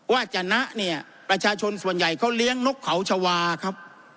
จนะเนี่ยประชาชนส่วนใหญ่เขาเลี้ยงนกเขาชาวาครับ